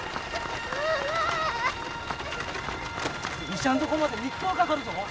医者んとこまで３日はかかるぞ。